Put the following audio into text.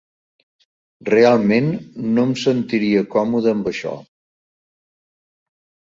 Realment, no em sentiria còmode amb això.